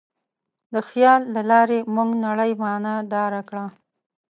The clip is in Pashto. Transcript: د خیال له لارې موږ نړۍ معنیداره کړه.